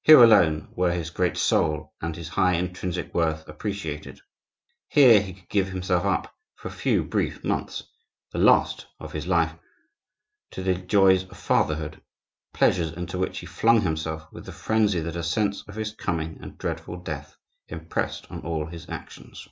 Here, alone, were his great soul and his high intrinsic worth appreciated; here he could give himself up, for a few brief months, the last of his life, to the joys of fatherhood,—pleasures into which he flung himself with the frenzy that a sense of his coming and dreadful death impressed on all his actions.